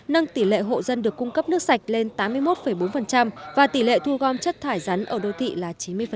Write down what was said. nâng tỷ lệ hộ dân được cung cấp nước sạch lên tám mươi một bốn và tỷ lệ thu gom chất thải rắn ở đô thị là chín mươi